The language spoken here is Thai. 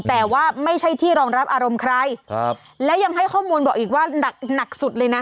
แต่ว่าไม่ใช่ที่รองรับอารมณ์ใครครับและยังให้ข้อมูลบอกอีกว่าหนักหนักสุดเลยนะ